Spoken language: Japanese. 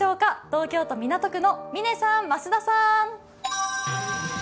東京都港区の嶺さん、増田さん。